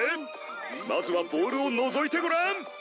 まずはボールをのぞいてごらん。